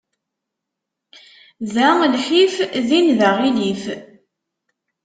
Da lḥif, din d aɣilif.